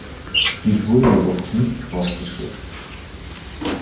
Dies wurde jedoch nicht fortgeführt.